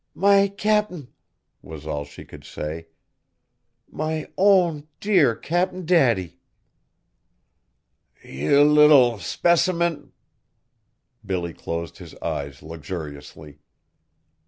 "My Cap'n!" was all she could say; "my own, dear Cap'n Daddy!" "Ye little specimint!" Billy closed his eyes luxuriously.